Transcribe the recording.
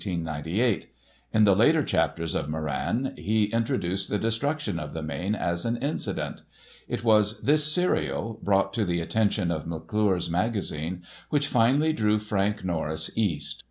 In the later chapters of "Moran," he introduced the destruction of the Maine as an incident! It was this serial, brought to the attention of McClure's Magazine, which finally drew Frank Norris East.